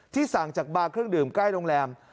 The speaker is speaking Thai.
สั่งจากบาร์เครื่องดื่มใกล้โรงแรม